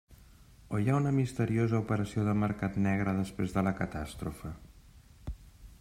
O hi ha una misteriosa operació de mercat negre després de la catàstrofe?